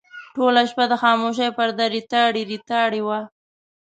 ټوله شپه د خاموشۍ پرده ریتاړې ریتاړې وه.